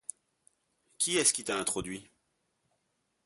Qui est-ce qui t’a introduit ?